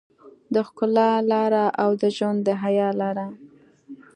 د ښکلا لاره او د ژوند د حيا لاره.